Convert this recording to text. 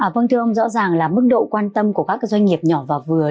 vâng thưa ông rõ ràng là mức độ quan tâm của các doanh nghiệp nhỏ và vừa